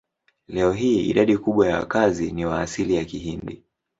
Leo hii idadi kubwa ya wakazi ni wa asili ya Kihindi.